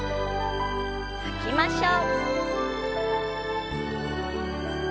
吐きましょう。